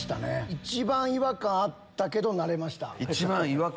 一番違和感あったけど慣れた！